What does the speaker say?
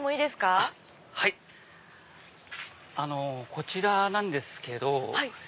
こちらなんですけど。